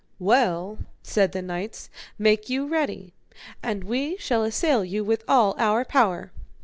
Well, said the knights, make you ready, and we shall assail you with all our power.